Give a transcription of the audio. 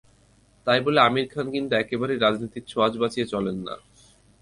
তাই বলে আমির খান কিন্তু একেবারেই রাজনীতির ছোঁয়াচ বাঁচিয়ে চলেন না।